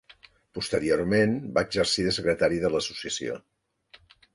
Posteriorment va exercir de secretari de l'Associació.